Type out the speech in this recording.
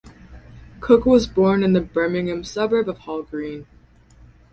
Cooke was born in the Birmingham suburb of Hall Green.